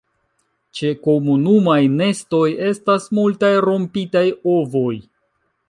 Ĉe komunumaj nestoj estas multaj rompitaj ovoj.